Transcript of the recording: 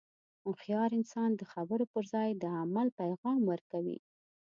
هوښیار انسان د خبرو پر ځای د عمل پیغام ورکوي.